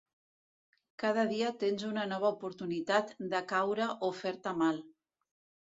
Cada dia tens una nova oportunitat de caure o fer-te mal.